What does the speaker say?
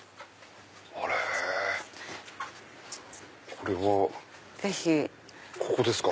これはここですか？